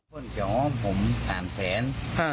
พวกผมสามแสน